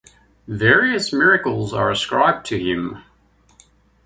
Various miracles are ascribed to him.